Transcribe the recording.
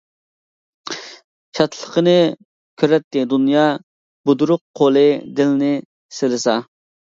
شادلىقىنى كۆرەتتى دۇنيا، بۇدرۇق قولى دىلنى سىلىسا.